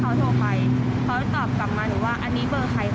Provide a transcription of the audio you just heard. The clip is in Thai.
เขาตอบกลับมาหนูว่าอันนี้เบอร์ใครครับ